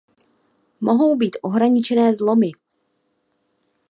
Mohou být ohraničené zlomy.